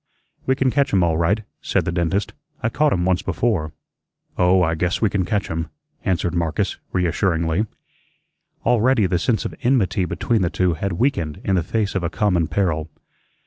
"We can catch him all right," said the dentist. "I caught him once before." "Oh, I guess we can catch him," answered Marcus, reassuringly. Already the sense of enmity between the two had weakened in the face of a common peril.